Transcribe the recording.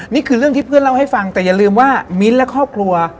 นี่คือเรื่องที่เพื่อนเล่าให้ฟังแต่อย่าลืมว่ามิ้นและครอบครัว